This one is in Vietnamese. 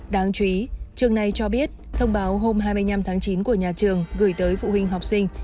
đáng chú ý trường này cho biết thông báo hôm hai mươi năm tháng chín của nhà trường gửi tới phụ huynh học sinh